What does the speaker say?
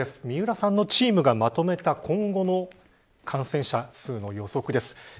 三浦さんのチームがまとめた今後の感染者数の予測です。